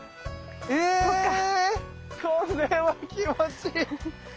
えこれは気持ちいい！